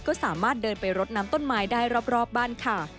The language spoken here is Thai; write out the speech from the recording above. ก็สามารถเดินไปรดน้ำต้นไม้ได้รอบบ้านค่ะ